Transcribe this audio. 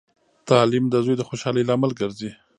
تعلیم د زوی د خوشحالۍ لامل ګرځي.